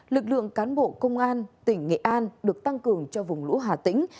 lực lượng cán bộ công an tỉnh nghệ an được tăng cường cho vùng lũ hà tĩnh